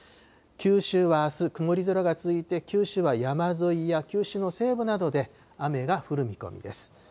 九州はあす、曇り空が続いて、九州は山沿いや九州の西部などで、雨が降る見込みです。